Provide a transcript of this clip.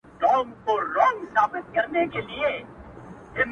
زه گنهـكار يــم مــــا گـنــاه كــــــړېــــــده”